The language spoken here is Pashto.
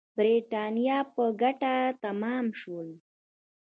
د برېټانیا په ګټه تمام شول.